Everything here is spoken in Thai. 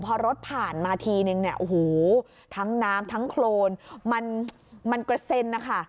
พอรถผ่านมาทีนึงเนี่ยโอ้โหทั้งน้ำทั้งโครนมันกระเซ็นนะคะ